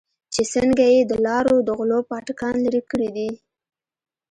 چې څنگه يې د لارو د غلو پاټکان لرې کړې دي.